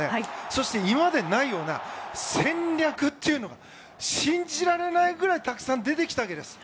そして、今までにないような戦略というのが信じられないぐらいたくさん出てきたわけです。